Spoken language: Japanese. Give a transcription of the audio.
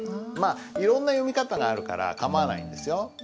まあいろんな読み方があるから構わないんですよ。